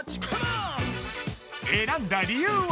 選んだ理由は？